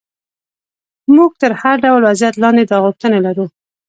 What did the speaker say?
موږ تر هر ډول وضعیت لاندې دا غوښتنه لرو.